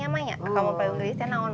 saya sudah lima tahun